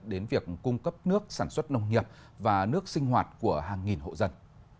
đến việc cung cấp nước sản xuất nông nghiệp và nước sinh hoạt của hàng nghìn hộ dân